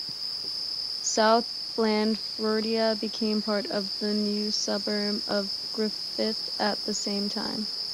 South Blandfordia became part of the new suburb of Griffith at the same time.